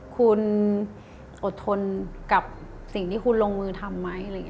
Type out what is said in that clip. คุณอดทนกับสิ่งที่คุณลงมือทำไหม